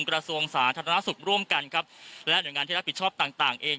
กระทรวงสาธารณสุขร่วมกันครับและหน่วยงานที่รับผิดชอบต่างต่างเอง